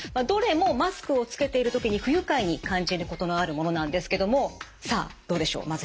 どれもマスクをつけている時に不愉快に感じることのあるものなんですけどもさあどうでしょう？